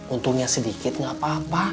untungnya sedikit nggak apa apa